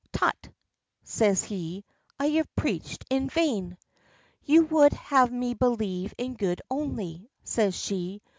"Tut!" says he. "I have preached in vain." "You would have me believe in good only," says she.